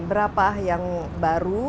berapa yang baru